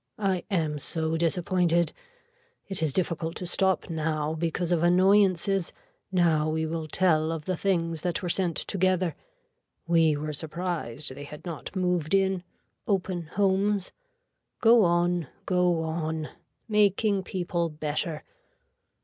I am so disappointed. It is difficult to stop now because of annoyances. Now we will tell of the things that were sent together. We were surprised they had not moved in. Open homes. Go on. Go on. Making people better.